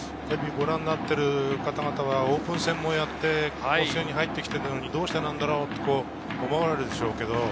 テレビを見ている方はオープン戦もやって入ってきているのに、どうしてなんだろうと思われるでしょうけど。